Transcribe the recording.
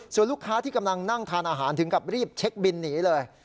ส่วนลูกค้าที่กำลังนั่งทานอาหารถึงกับรีบเช็คบินหนีเลย